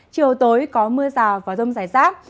chiều tối có mưa rào và rông rải rác